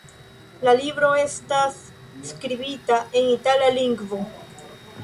La libro estas skribita en itala lingvo.